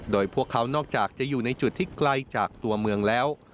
โดยพวกเขานอกจากจะอยู่ในจุดที่ไกลจากตัวเมืองแล้ว